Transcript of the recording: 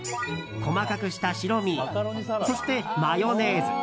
細かくした白身そして、マヨネーズ。